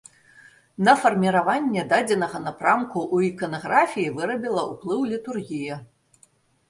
На фарміраванне дадзенага напрамку ў іканаграфіі вырабіла ўплыў літургія.